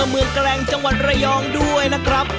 เมืองแกรงจังหวัดระยองด้วยนะครับ